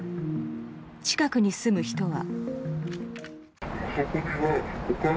近くに住む人は。